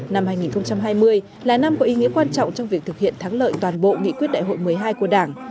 năm hai nghìn hai mươi là năm có ý nghĩa quan trọng trong việc thực hiện thắng lợi toàn bộ nghị quyết đại hội một mươi hai của đảng